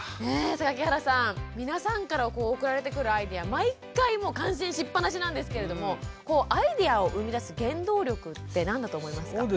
榊原さん皆さんから送られてくるアイデア毎回感心しっぱなしなんですけれどもアイデアを生み出す原動力って何だと思いますか？